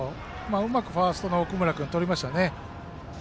うまくファーストの奥村君はとりましたね。